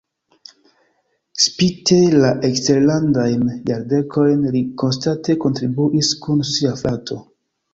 Spite la eksterlandajn jardekojn li konstante kontribuis kun sia frato.